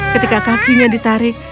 ketika kakinya ditarik